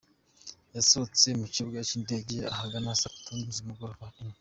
Yasohotse mu kibuga cy’indege ahagana saa tatu na mirongo ine.